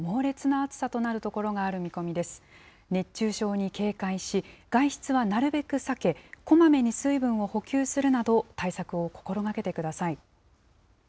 熱中症に警戒し、外出はなるべく避け、こまめに水分を補給するなど、対策を心がけてください。